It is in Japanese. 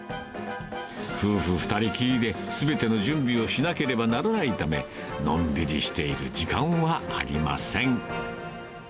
夫婦２人きりで、すべての準備をしなければならないため、のんびりしている時間はありません。